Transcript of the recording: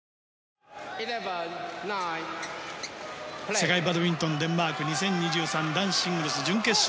世界バドミントンデンマーク２０２３男子シングルス準決勝。